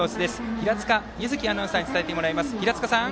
平塚柚希アナウンサーに伝えてもらいます。